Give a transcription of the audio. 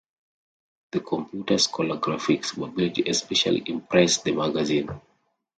The computer's color graphics capability especially impressed the magazine.